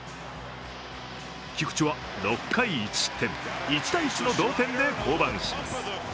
菊池は６回１失点１−１の同点で降板します。